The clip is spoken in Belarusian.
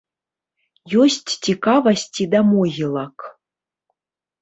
Ёсць цікавасць і да могілак.